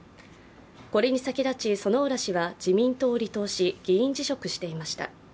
これに先立ち薗浦氏は自民党を離党し議員辞職していました。